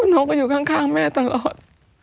น้องก็อยู่ข้างแม่ตลอด